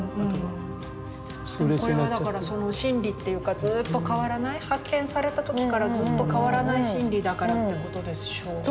これはだからその真理っていうかずっと変わらない発見された時からずっと変わらない真理だからってことでしょうね。